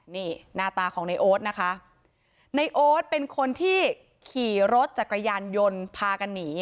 นี่หน้าตาของในโอ๊ตนะคะในโอ๊ตเป็นคนที่ขี่รถจักรยานยนต์พากันหนี